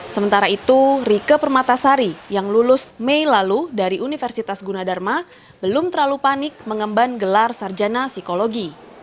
sementara itu rike permatasari yang lulus mei lalu dari universitas gunadharma belum terlalu panik mengemban gelar sarjana psikologi